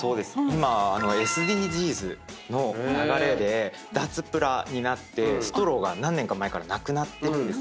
今ＳＤＧｓの流れで脱プラになってストローが何年か前からなくなったんです。